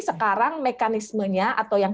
sekarang mekanismenya atau yang